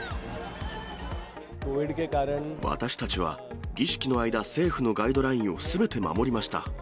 私たちは儀式の間、政府のガイドラインをすべて守りました。